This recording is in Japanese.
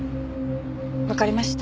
わかりました。